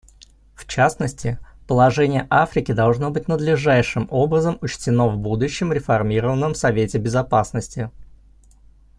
В частности, положение Африки должно быть надлежащим образом учтено в будущем реформированном Совете Безопасности.